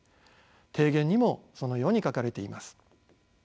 提言にもそのように書かれています。